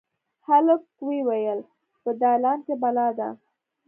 هلک ویې ویل: «په دالان کې بلا ده.»